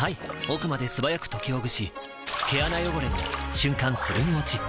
奥まで素早く解きほぐし毛穴汚れも瞬間するん落ち！